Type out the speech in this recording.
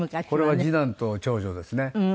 これは次男と長女ですね。